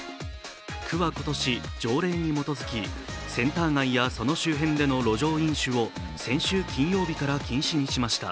区は今年条例に基づきセンター街やその周辺での路上飲酒を先週金曜日から禁止にしました。